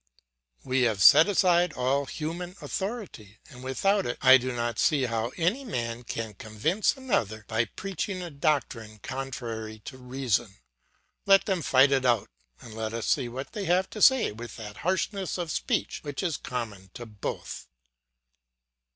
"We have set aside all human authority, and without it I do not see how any man can convince another by preaching a doctrine contrary to reason. Let them fight it out, and let us see what they have to say with that harshness of speech which is common to both.